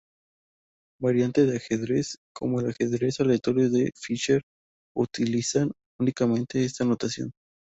Variantes de ajedrez, como el ajedrez aleatorio de Fischer, utilizan únicamente esta notación.